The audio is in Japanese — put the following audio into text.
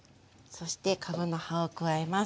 そしてかぶの葉を加えます。